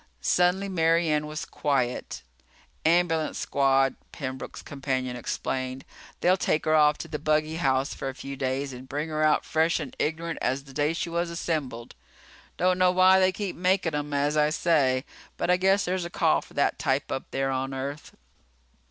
Suddenly Mary Ann was quiet. "Ambulance squad," Pembroke's companion explained. "They'll take her off to the buggy house for a few days and bring her out fresh and ignorant as the day she was assembled. Don't know why they keep making 'em, as I say. But I guess there's a call for that type up there on Earth."